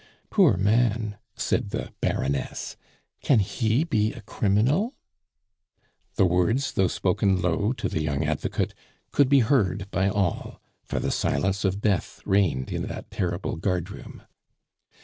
"Poor man!" said the Baroness. "Can he be a criminal?" The words, though spoken low to the young advocate, could be heard by all, for the silence of death reigned in that terrible guardroom.